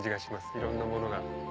いろんなものが。